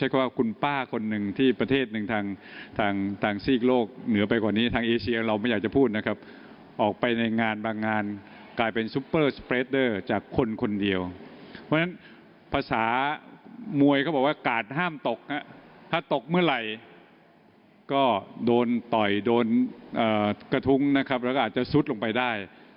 ก็โดนต่อยโดนกระทุกนะคะแล้วก็อาจจะสุดลงไปได้